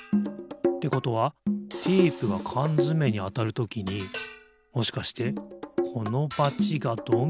ってことはテープがかんづめにあたるときにもしかしてこのバチがドミノをたおす？